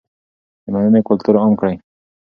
د مننې کلتور عام کړئ.